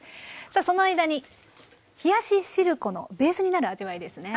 さあその間に冷やししるこのベースになる味わいですね。